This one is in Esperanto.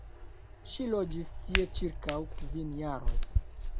Ŝi loĝis tie ĉirkaŭ kvin jarojn.